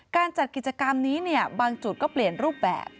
การจัดกิจกรรมนี้บางจุดก็เปลี่ยนรูปแบบ